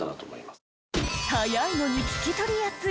早いのに聞き取りやすい！